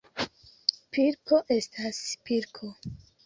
Pilko estas pilko.